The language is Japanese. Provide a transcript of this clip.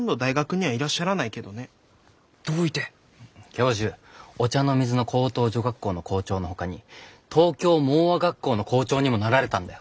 教授御茶ノ水の高等女学校の校長のほかに東京盲唖学校の校長にもなられたんだよ。